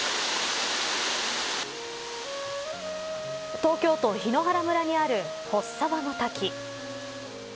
東京都檜原村にある払沢の滝